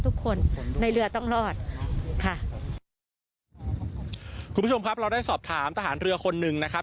คุณผู้ชมครับเราได้สอบถามทหารเรือคนหนึ่งนะครับ